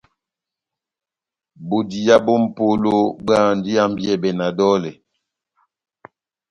Bodiya bó mʼpola bóhándi ihambiyɛbɛ na dɔlɛ.